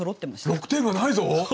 ６点がないぞ！